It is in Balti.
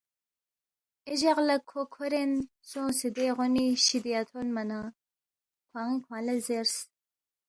اے جق لہ کھو کھورین سونگسے دے غونی شِدیا تھونما نہ کھوان٘ی کھوانگ لہ زیرس،